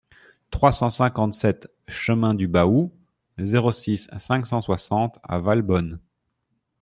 trois cent cinquante-sept chemin du Baou, zéro six, cinq cent soixante à Valbonne